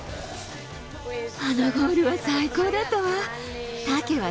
あのゴールは最高だったわ。